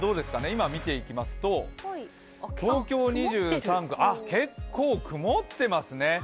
今見ていきますと、結構曇ってますね。